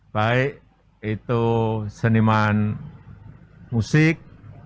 baik itu seniman musik